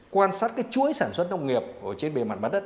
quan sát chuối sản xuất nông nghiệp trên bề mặt bản đất